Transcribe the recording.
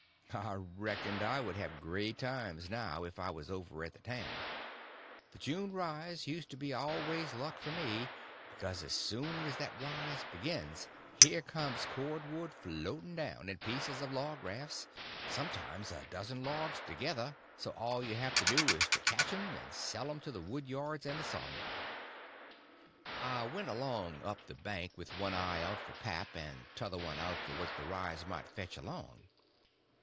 I reckoned I would have great times now if I was over at the town. The June rise used to be always luck for me; because as soon as that rise begins here comes cordwood floating down, and pieces of log rafts—sometimes a dozen logs together; so all you have to do is to catch them and sell them to the wood yards and the sawmill. I went along up the bank with one eye out for pap and t'other one out for what the rise might fetch along.